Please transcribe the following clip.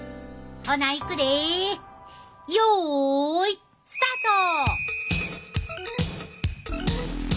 ほないくでよいスタート！